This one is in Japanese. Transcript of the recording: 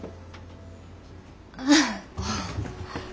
ああ。